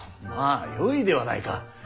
まあよいではないか。